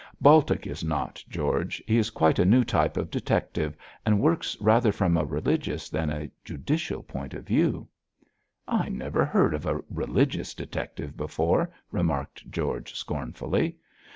'Baltic is not, George. He is quite a new type of detective, and works rather from a religious than a judicial point of view.' 'I never heard of a religious detective before,' remarked George, scornfully.